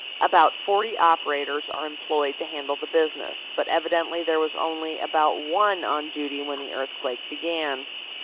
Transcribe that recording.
About forty operators are employed to handle the business, but evidently there was only about one on duty when the earthquake began.